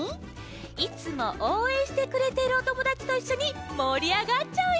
いつもおうえんしてくれてるおともだちといっしょにもりあがっちゃうイベントだよ。